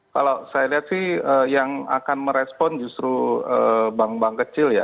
kalau saya lihat sih yang akan merespon justru bank bank kecil ya